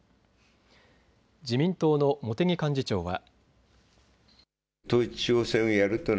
自民党の茂木幹事長は。